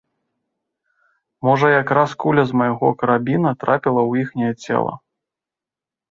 Можа якраз куля з майго карабіна трапіла ў іхняе цела.